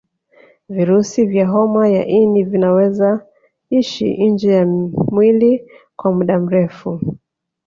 Virusi vya homa ya ini vinaweza ishi nje ya mwili kwa muda mrefu